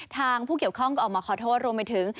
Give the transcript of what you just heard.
ทางพูดเกี่ยวข้องออกมาขอโทษรวมไปถึง